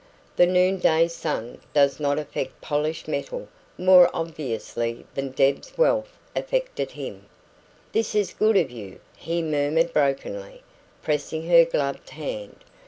The noonday sun does not affect polished metal more obviously than Deb's wealth affected him. "This is good of you," he murmured brokenly, pressing her gloved hand.